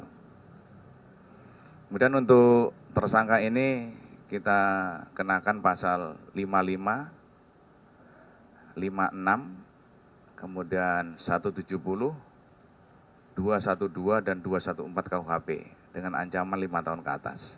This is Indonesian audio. kemudian untuk tersangka ini kita kenakan pasal lima puluh lima lima puluh enam kemudian satu ratus tujuh puluh dua dan dua ratus empat belas kuhp dengan ancaman lima tahun ke atas